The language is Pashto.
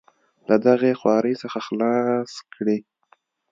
له دغې خوارۍ څخه خلاص کړي.